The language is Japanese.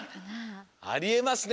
ありえますね。